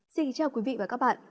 xin chào quý vị và các bạn